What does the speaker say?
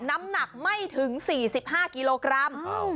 น้ำหนักไม่ถึง๔๕กิโลกรัม